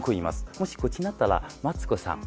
もしこっちだったらマツコさん。